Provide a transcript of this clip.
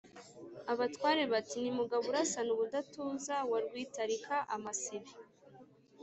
abatware bati ni Mugabo urasana ubudatuza wa Rwitarika amasibe